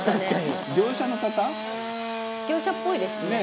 藤本：業者っぽいですね。